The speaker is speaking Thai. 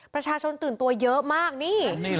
ประชาชนตื่นตัวเยอะมากนี่